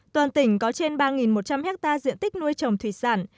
toàn tỉnh có trên ba một trăm linh hectare diện tích nuôi trồng thủy sản